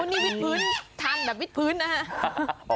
นี่วิทพื้นทานแบบวิทพื้นนะฮะ